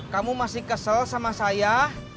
kamu masih kesel sama saya